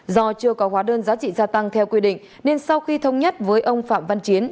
do chưa có hóa đơn giá trị gia tăng theo quy định nên sau khi thông nhất với ông phạm văn chiến